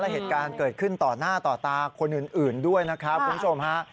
เหตุการณ์เกิดขึ้นต่อหน้าต่อตาคนอื่นด้วยนะครับคุณผู้ชมฮะ